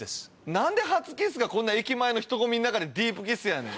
何で初キッスがこんな駅前の人込みの中ディープキスやねん。